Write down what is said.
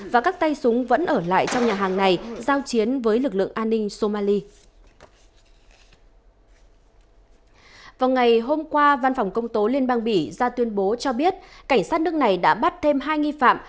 vào ngày hôm qua văn phòng công tố liên bang bỉ ra tuyên bố cho biết cảnh sát nước này đã bắt thêm hai nghi phạm